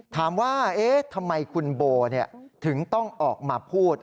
ถามว่าเอ๊ะทำไมคุณโบถึงต้องออกมาพูด